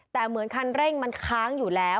แต่เหมือนคันเร่งมันค้างอยู่แล้ว